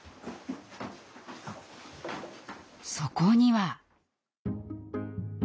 そこには。